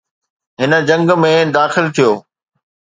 هن جنگ ۾ داخل ٿيو.